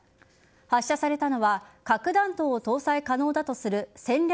発射されたのは核弾頭を搭載可能だとする戦略